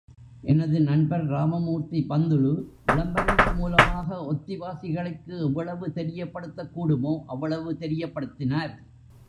எனது நண்பர் ராமமூர்த்தி பந்துலு, விளம்பரங்கள் மூலமாக ஒத்தி வாசிகளுக்கு எவ்வளவு தெரியப்படுத்தக்கூடுமோ அவ்வளவு தெரியப்படுத்தினார்.